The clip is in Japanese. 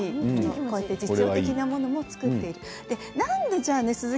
こういう実用的なものを作っている。